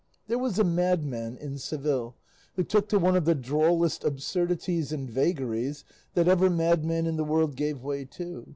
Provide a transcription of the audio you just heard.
There was a madman in Seville who took to one of the drollest absurdities and vagaries that ever madman in the world gave way to.